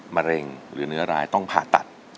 มะเร็งหรือเนื้อร้ายต้องผ่าตัด